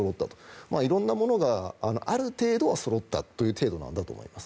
色んなものがある程度はそろったという程度なんだと思います。